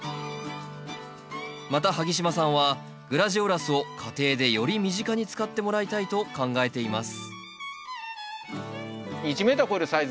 また萩島さんはグラジオラスを家庭でより身近に使ってもらいたいと考えています